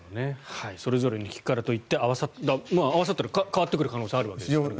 それぞれに効くからといって合わさったら変わってくる可能性があるわけですね。